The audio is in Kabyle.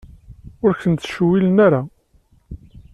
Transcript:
Ur ken-ttcewwilen ara.